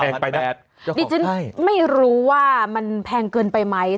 ดิฉันไม่รู้ว่ามันแพงเกินไปไหม